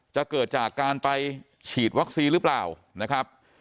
เกิดจากการไปฉีดวัคซีนหรือเปล่านะครับ